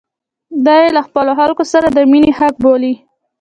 دا یې له خپلو خلکو سره د مینې حق بولي.